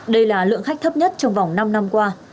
đây là lượng khách thấp nhất trong vòng năm năm qua